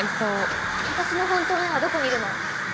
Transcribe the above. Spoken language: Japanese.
私の本当の親はどこにいるの？